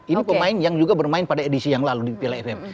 ini pemain yang juga bermain pada edisi yang lalu di piala ff